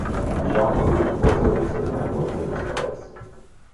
Shah Maroof also listened and went to his place.